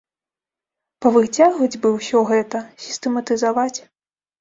Павыцягваць бы ўсё гэта, сістэматызаваць.